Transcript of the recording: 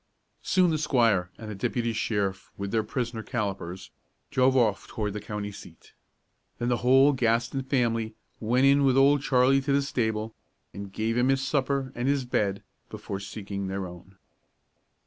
Soon the squire and the deputy sheriff, with their prisoner, Callipers, drove off toward the county seat. Then the whole Gaston family went with Old Charlie to the stable, and gave him his supper and his bed before seeking their own.